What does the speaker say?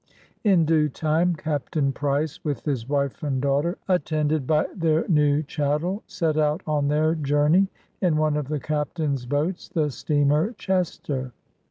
In due x.me, Capt. Price, with his wife and daughter, attended by their new chattel, set out on their journey, in one of the Captain's boats, the steamer " Chester."